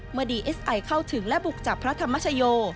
ดีเอสไอเข้าถึงและบุกจับพระธรรมชโย